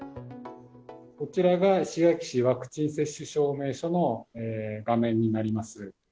こちらが石垣市ワクチン接種証明書の画面になります。